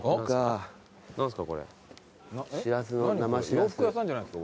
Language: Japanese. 洋服屋さんじゃないんですか？